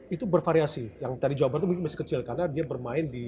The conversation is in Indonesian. itu bervariasi yang dari jawa bar itu masih kecil karena dia bermain di